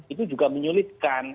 itu juga menyulitkan